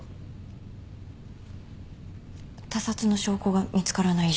他殺の証拠が見つからない以上。